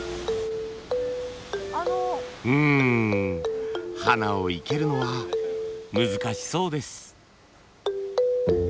うん花を生けるのは難しそうです。